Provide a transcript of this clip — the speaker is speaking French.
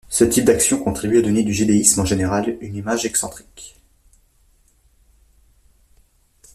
Ce type d'actions contribue à donner du jediisme en général une image excentrique.